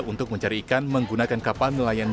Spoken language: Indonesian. untuk mencari ikan menggunakan kapal nelayan